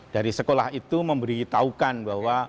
dari sekolah itu memberitahukan bahwa